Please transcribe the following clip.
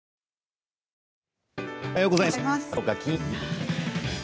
おはようございます。